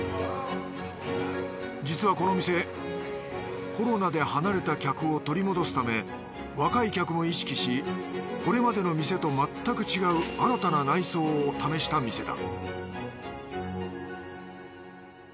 実はこの店コロナで離れた客を取り戻すため若い客も意識しこれまでの店とまったく違う新たな内装を試した店だ